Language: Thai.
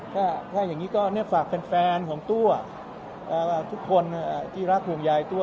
แค่อย่างนี้ก็ฝากเป็นแฟนของตัวทุกคนที่รักภูมิญายตัว